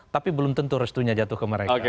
tapi belum tentu restunya jatuh ke mereka